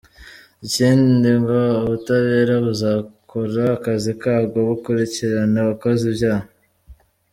Ikindi ngo ubutabera buzakora akazi kabwo, bukurikirane uwakoze ivyaha.